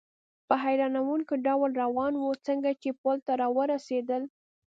په حیرانوونکي ډول روان و، څنګه چې پل ته را ورسېدل.